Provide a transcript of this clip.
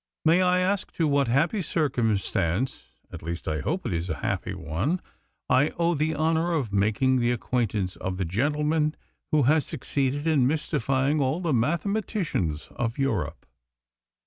"May I ask to what happy circumstance at least, I hope it is a happy one I owe the honour of making the acquaintance of the gentleman who has succeeded in mystifying all the mathematicians of Europe?"